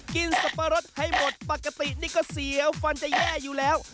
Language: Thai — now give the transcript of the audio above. สับปะรดให้หมดปกตินี่ก็เสียวฟันจะแย่อยู่แล้ว